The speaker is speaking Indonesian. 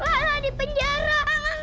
aduh enggak mau di penjara